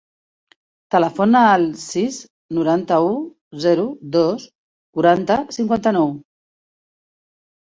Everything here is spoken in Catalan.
Telefona al sis, noranta-u, zero, dos, quaranta, cinquanta-nou.